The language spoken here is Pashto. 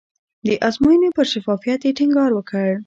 د ازموینې پر شفافیت یې ټینګار وکړ.